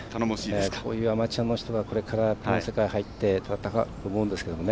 こういうアマチュアの人がこれからプロの世界入って戦うと思うんですけどね。